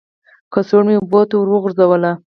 کڅوړه مې اوبو ته ور وغورځوله.